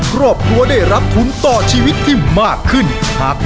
ครอบครัวของแม่ปุ้ยจังหวัดสะแก้วนะครับ